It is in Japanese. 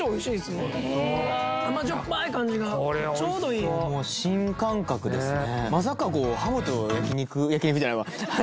まじょっぱい感じがちょうどいい新感覚ですね